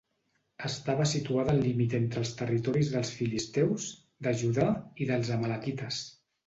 Estava situada al límit entre els territoris dels filisteus, de Judà i dels amalequites.